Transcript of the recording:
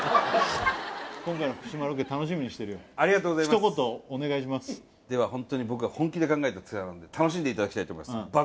今回も福島ロケ楽しみにしてるよありがとうございますではホントに僕が本気で考えたツアーなんで楽しんでいただきたいと思います爆